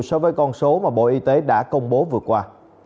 so với con số mà bộ y tế đã công bố vừa qua